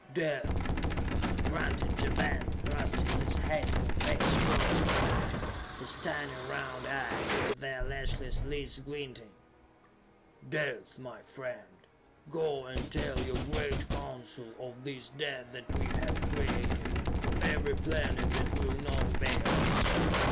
"Death!" grunted Ja Ben, thrusting his hateful face close to mine, his tiny round eyes, with their lashless lids glinting. "Death, my friend. Go and tell your great Council of this death that we have created for every planet that will not obey us.